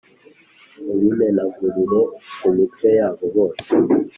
ubimenagurire ku mitwe yabo bose